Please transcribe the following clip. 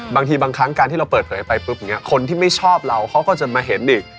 บางทีบางครั้งการที่เราเปิดเผยไปปุ๊บอย่างนี้คนที่ไม่ชอบเราเขาก็จะมาเห็นอีก